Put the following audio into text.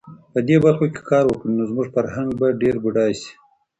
په دې برخو کې کار وکړي، نو زموږ فرهنګ به ډېر بډایه شي.